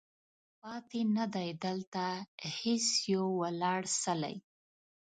پاتې نه دی، دلته هیڅ یو ولاړ څلی